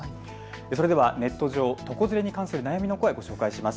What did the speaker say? それではネット上、床ずれに関する悩みの声、ご紹介します。